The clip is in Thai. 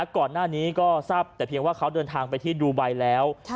ก่อนหน้านี้ก็ทราบแต่เพียงว่าเขาเดินทางไปที่ดูไบแล้ว